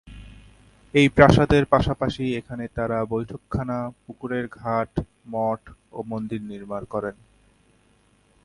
এই প্রাসাদের পাশাপাশি এখানে তারা বৈঠকখানা, পুকুরের ঘাট, মঠ ও মন্দির নির্মাণ করেন।